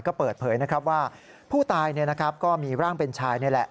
ก็เปิดเผยนะครับว่าผู้ตายก็มีร่างเป็นชายนี่แหละ